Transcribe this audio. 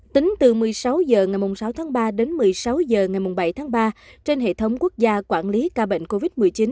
tính từ một mươi sáu h ngày sáu tháng ba đến một mươi sáu h ngày bảy tháng ba trên hệ thống quốc gia quản lý ca bệnh covid một mươi chín